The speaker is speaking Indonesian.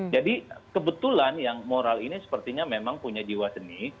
jadi kebetulan moral ini sepertinya memang punya jiwa seni